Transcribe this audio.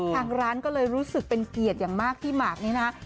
ทางร้านก็เลยรู้สึกเป็นเกียรติอย่างมากที่หมากนี้นะฮะ